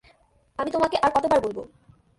আমি তোমাকে আর কতবার বলবো?